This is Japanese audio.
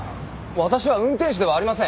私は運転手ではありません。